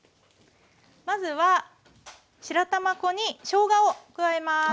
まずは白玉粉にしょうがを加えます。